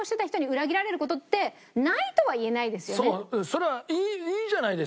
それはいいじゃないですか